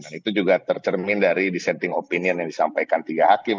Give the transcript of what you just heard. dan itu juga tercermin dari dissenting opinion yang disampaikan tiga hakim